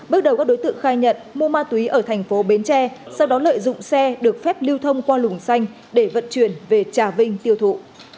bước đầu các đối tượng khai nhận mua ma túy ở thành phố bến tre sau đó lợi dụng xe được phép lưu thông qua lùng xanh để vận chuyển về trà vinh tiêu thụ